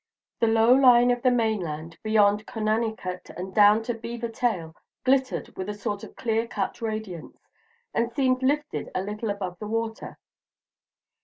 The low line of the mainland beyond Conanicut and down to Beaver Tail glittered with a sort of clear cut radiance, and seemed lifted a little above the water.